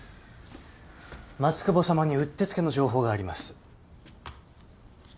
松久保さまにうってつけの情報があります。